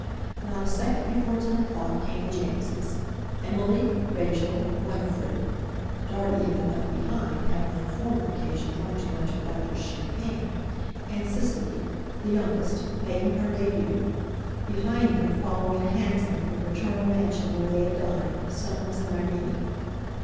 Not a second before ten o'clock came the Jameses—Emily, Rachel, Winifred (Dartie had been left behind, having on a former occasion drunk too much of Roger's champagne), and Cicely, the youngest, making her debut; behind them, following in a hansom from the paternal mansion where they had dined, Soames and Irene.